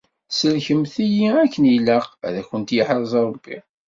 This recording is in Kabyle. Tsellkemt-iyi akken ilaq, ad akent-yeḥrez Ṛebbi.